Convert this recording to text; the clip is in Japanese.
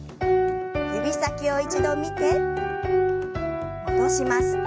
指先を一度見て戻します。